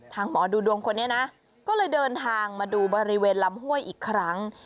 หมอดูดวงคนนี้นะก็เลยเดินทางมาดูบริเวณลำห้วยอีกครั้ง